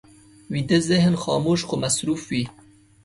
ویده ذهن خاموش خو مصروف وي